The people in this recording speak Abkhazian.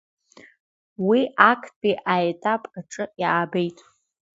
Уи актәи аетап аҿы иаабеит.